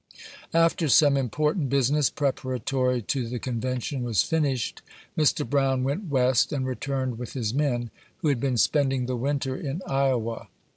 . After some important business, preparatory to the Conven tion, was finished, Mr. Brown went West, and returned with his men, who had been spending the winter in Iowa.